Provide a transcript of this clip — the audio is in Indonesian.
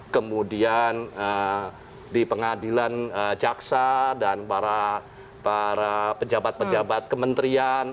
kemudian di pengadilan jaksa dan para pejabat pejabat kementerian